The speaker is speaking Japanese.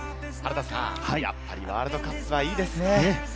やっぱりワールドカップはいいですね。